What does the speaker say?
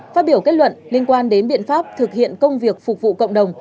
phát biểu kết luận liên quan đến biện pháp thực hiện công việc phục vụ cộng đồng